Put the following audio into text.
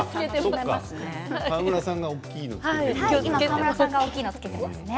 川村さんが大きいものつけていますね。